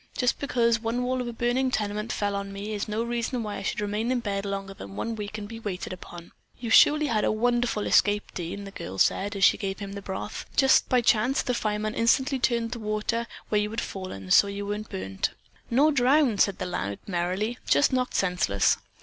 Just because one wall of a burning tenement fell on me is no reason why I should remain in bed longer than one week and be waited upon." "You surely had a wonderful escape, Dean," the girl said as she gave him the broth. "Just by chance the firemen instantly turned the water where you had fallen and so you weren't burned." "Nor drowned," the lad said merrily, "just knocked senseless."